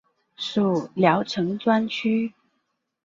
属聊城专区。